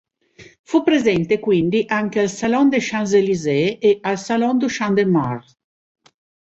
Fu presente quindi anche al "Salon des Champs-Elysées" e al "Salon du Champ-de-Mars".